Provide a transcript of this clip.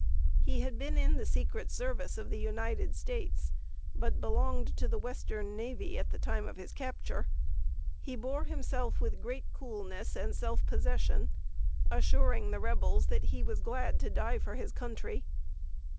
He had been in the secret service of the United States, but belonged to the western navy at the time of his capture. He bore himself with great coolness and self possession, assuring the Rebels that he was glad to die for his country.